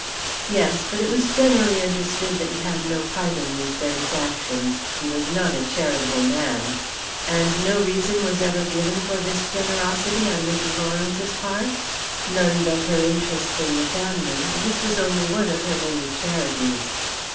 "Yes; but it was generally understood that he had no part in these benefactions. He was not a charitable man." "And no reason was ever given for this generosity on Mrs. Lawrence's part?" "None but her interest in the family. This was only one of her many charities."